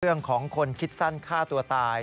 เรื่องของคนคิดสั้นฆ่าตัวตาย